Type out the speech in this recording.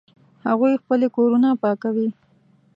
هغوی خپلې کورونه پاکوي